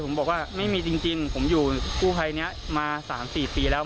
ผมบอกว่าไม่มีจริงผมอยู่กู้ภัยนี้มา๓๔ปีแล้ว